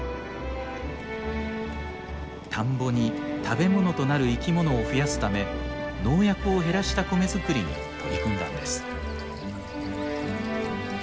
田んぼに食べ物となる生きものを増やすため農薬を減らした米作りに取り組んだんです。